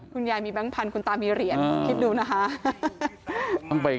คุณยายมีแบงค์พันธุ์ตามีเหรียญคิดดูนะคะ